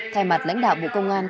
thay mặt lãnh đạo bộ công an